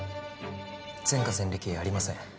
前科前歴ありません